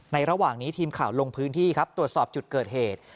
ระหว่างนี้ทีมข่าวลงพื้นที่ครับตรวจสอบจุดเกิดเหตุ